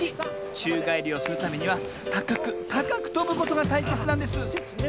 ちゅうがえりをするためにはたかくたかくとぶことがたいせつなんです。